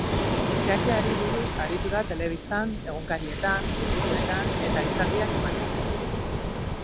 Xakeari buruz aritu da telebistan, egunkarietan, liburuetan, eta hitzaldiak emanez.